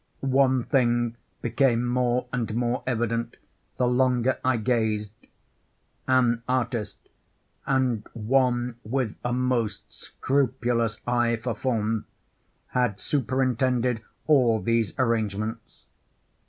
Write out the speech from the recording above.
One thing became more and more evident the longer I gazed: an artist, and one with a most scrupulous eye for form, had superintended all these arrangements.